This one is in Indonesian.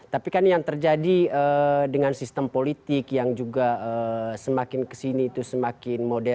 tapi kan yang terjadi dengan sistem politik yang juga semakin kesini itu semakin modern